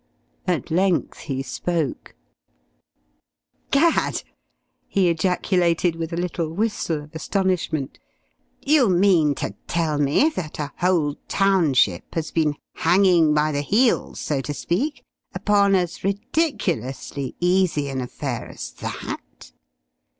At length he spoke: "Gad!" he ejaculated with a little whistle of astonishment. "You mean to tell me that a whole township has been hanging by the heels, so to speak, upon as ridiculously easy an affair as that?"